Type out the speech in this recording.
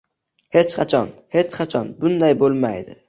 Hech qachon, hech qachon bunday bo`lmaydi